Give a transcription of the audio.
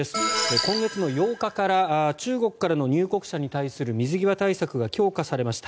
今月の８日から中国からの入国者に対する水際対策が強化されました。